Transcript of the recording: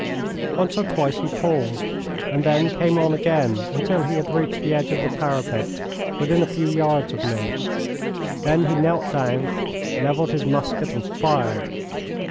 Once or twice he paused, and then came on again until he had reached the edge of the parapet within a few yards of me. Then he knelt down, levelled his musket, and fired.